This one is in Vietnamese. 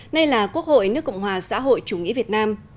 nay là quốc hội nước cộng hòa xã hội chủ nghĩa việt nam